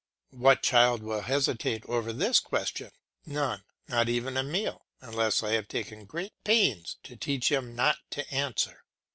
What child will hesitate over this question? None, not even Emile, unless I have taken great pains to teach him not to answer.